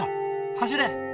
走れ！